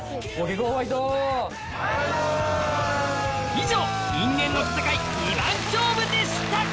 以上因縁の闘い２番勝負でした！